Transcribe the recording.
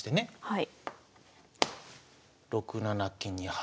はい。